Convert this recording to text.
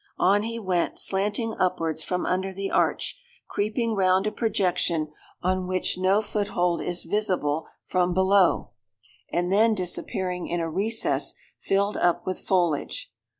On he went, slanting upwards from under the arch, creeping round a projection, on which no foothold is visible from below, and then disappearing in a recess filled up with foliage.